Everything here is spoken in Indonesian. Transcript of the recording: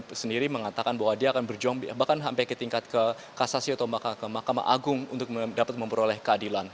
dhani sendiri mengatakan bahwa dia akan berjuang bahkan sampai ke tingkat kasasi atau makam agung untuk dapat memperoleh keadilan